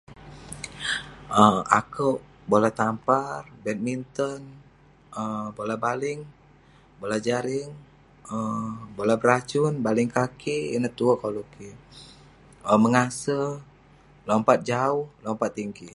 Owk, akouk ; bola tampar, badminton, um bola baling, bola jaring, um bola beracun, baling kaki. Ineh tue koluk kik. um mengase, lompat jauh, lompat tinggi.